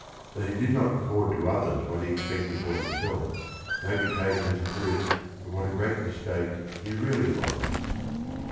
That he did not accord to others what he expected for himself may be taken as a proof of what a great mistake he really was.